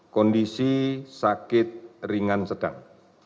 kondisi sakit ringan sedang